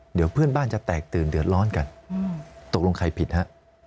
เดี๋ยวเพื่อนบ้านจะแตกตื่นเดือดร้อนกันตกลงใครผิดฮะ